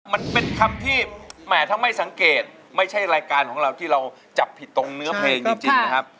มันเป็นคำที่แหมถ้าไม่สังเกตไม่ใช่รายการของเราที่เราจับผิดตรงเนื้อเพลงจริงนะครับ